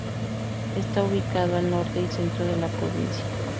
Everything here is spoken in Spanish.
Está ubicado al norte y centro de la Provincia.